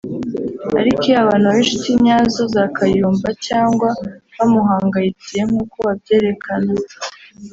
Ariko iyo abo bantu baba inshuti nyazo za Kayumba cyangwa bamuhangayikiye nk’uko babyerekana